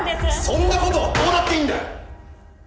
そんな事はどうだっていいんだよ！